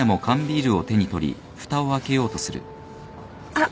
あっ！